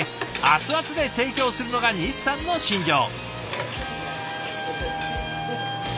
熱々で提供するのが西さんの信条。